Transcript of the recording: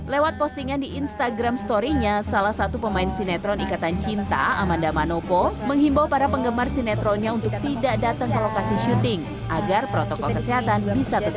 lewat postingan di instagram story nya salah satu pemain sinetron ikatan cinta amanda manopo menghimbau para penggemar sinetronnya untuk tidak datang ke lokasi syuting agar protokol kesehatan bisa tetap